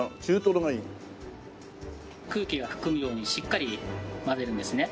空気が含むようにしっかり混ぜるんですね。